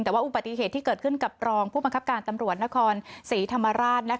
แต่ว่าอุบัติเหตุที่เกิดขึ้นกับรองผู้บังคับการตำรวจนครศรีธรรมราช